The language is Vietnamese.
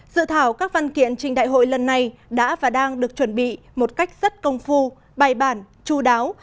dự thảo các văn kiện trình đại hội lần này đã và đang được chuẩn bị một cách rất công phu bài bản chú đáo